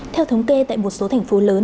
theo thống kê tại một số thành phố lớn